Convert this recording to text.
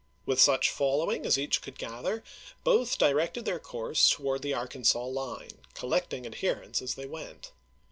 With such following as each could gather both directed their course toward the Arkansas line, collecting adherents as they went.